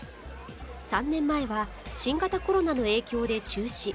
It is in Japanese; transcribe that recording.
３年前は新型コロナの影響で中止。